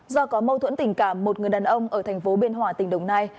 do có mâu thuẫn tình cảm một người đàn ông ở thành phố biên hòa tỉnh đồng nai